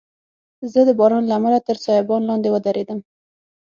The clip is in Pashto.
زه د باران له امله تر سایبان لاندي ودریدم.